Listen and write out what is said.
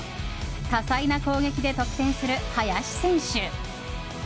多彩な攻撃で得点する林選手。